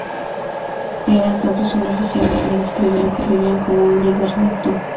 Era entonces un oficial distinguido y le describían como un líder nato.